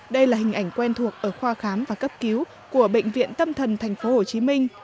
đây là hình ảnh quen thuộc ở khoa khám và cấp cứu của bệnh viện tâm thần tp hcm